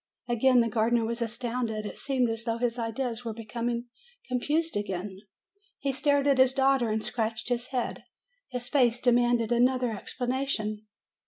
Again the gardener was astounded. It seemed as though his ideas were becoming confused again. He stared at his daughter and scratched his head. His face demanded another explanation.